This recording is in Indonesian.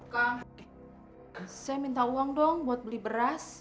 kang saya minta uang dong buat beli beras